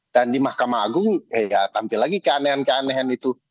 dan di mahkamah agung tampil lagi keanehan keanehan itu